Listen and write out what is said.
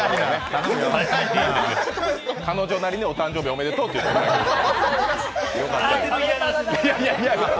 彼女なりのお誕生日おめでとうと言ってます。